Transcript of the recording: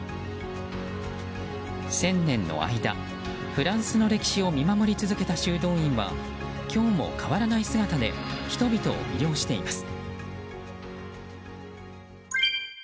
１０００年の間フランスの歴史を見守り続けた修道院は今日も変わらない姿で人々を魅了しています。